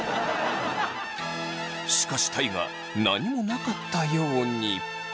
しかし大我何もなかったように。